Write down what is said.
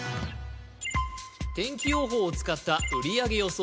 天気予報を使った売り上げ予想